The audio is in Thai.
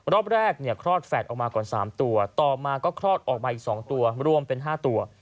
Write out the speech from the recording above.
รอบแรกเนี่ยคลอดแฝดออกมาก่อน๓ตัวต่อมาก็คลอดออกมาอีก๒ตัวรวมเป็น๕ตัว